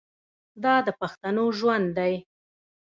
دا د پښتنو ژوند دی.